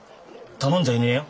頼んじゃいねえよ。